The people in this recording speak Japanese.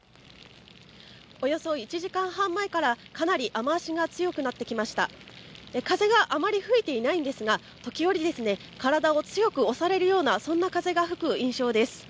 およそ１時間半前からかなり雨足が強くなってきました風があまり吹いていないんですが時折体を強く押されるようなそんな風が吹く印象です